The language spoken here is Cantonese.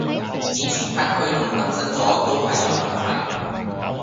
顯示卡驅動更新左都係有問題